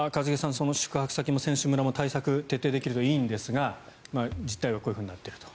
その宿泊先の選手村も対策が徹底できるといいんですが実態はこうなっていると。